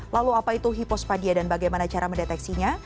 lalu apa itu hipospadia dan bagaimana cara mendeteksinya